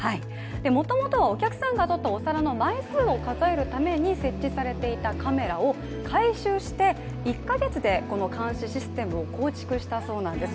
もともとはお客さんがとったお皿の枚数を数えるために設置されていたカメラを改修して、１か月でこの監視システムを構築したそうなんです。